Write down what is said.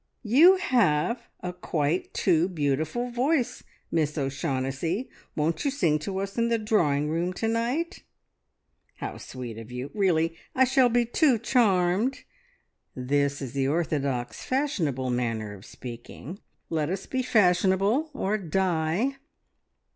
"`You have a quite too beautiful voice, Miss O'Shaughnessy. Won't you sing to us in the drawing room to night?' "`How sweet of you! Really, I shall be too charmed!' (This is the orthodox fashionable manner of speaking. Let us be fashionable or die!)